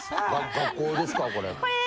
学校ですかこれ？